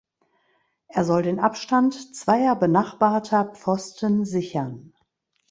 Er soll den Abstand zweier benachbarter Pfosten sichern.